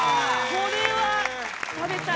これは食べたい。